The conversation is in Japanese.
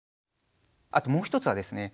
あともう一つはですね